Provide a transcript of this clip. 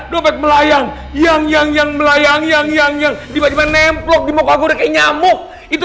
dompet melayang yang yang yang melayang yang yang yang di bagian nempel di muka gue kayak nyamuk itu